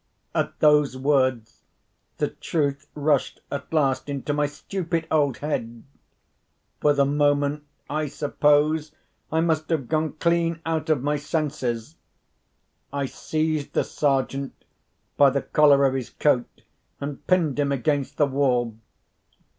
At those words, the truth rushed at last into my stupid old head. For the moment, I suppose I must have gone clean out of my senses. I seized the Sergeant by the collar of his coat, and pinned him against the wall.